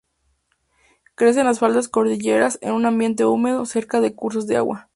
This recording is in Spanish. Crece en las faldas cordilleranas, en un ambiente húmedo, cerca de cursos de agua.